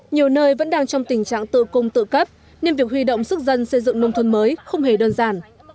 nhiều nơi vẫn đang trong tình trạng tự cung tự cấp nên việc huy động sức dân xây dựng nông thôn mới không hề đơn giản